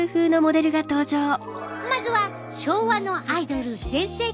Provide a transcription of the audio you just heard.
まずは昭和のアイドル全盛期